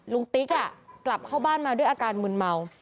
ติ๊กกลับเข้าบ้านมาด้วยอาการมืนเมา